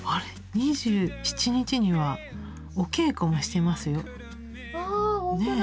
２７日にはお稽古もしてますよ。